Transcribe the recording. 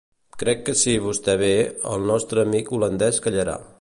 Crec que si vostè ve, el nostre amic holandès callarà.